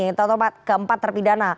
yang kita tahu keempat terpidana